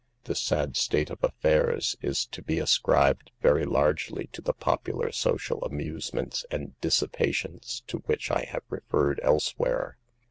This sad state of affairs is to be ascribed very largely to the popular social amusements and dissipations to which I have referred elsewhere.